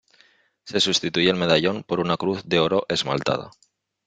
Se sustituye el medallón por una cruz de oro esmaltada.